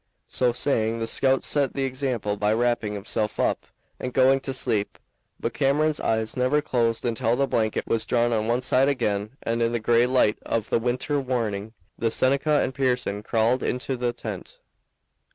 So saying, the scout set the example by wrapping himself up and going to sleep, but Cameron's eyes never closed until the blanket was drawn on one side again and in the gray light of the winter morning the Seneca and Pearson crawled into the tent.